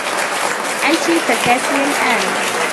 انتِ فتاتي الآن.